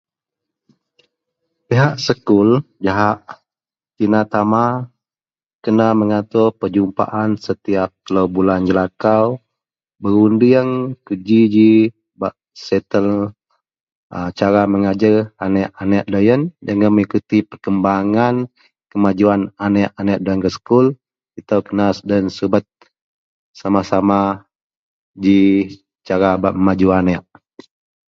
Pihak sekul jahak tina tama kena mengatur perjumpaan setiyap telou bulan jelakau, berudieng kejiji bak setel cara mengajer aneak-aneak loyen jegem mengikuti perkembangan kemajuan aneak-aneak duayen gak sekul Itou loyen kena subet sama-sama ji cara bak memaju aneak.